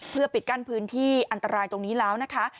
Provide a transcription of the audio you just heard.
เพื่อปิดกั้นพื้นที่อันตรายตรงนี้แล้วนะคะ